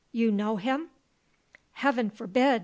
"You know him?" "Heaven forbid!"